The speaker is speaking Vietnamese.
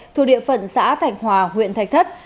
thuộc địa phận xã thành hòa huyện thành hồng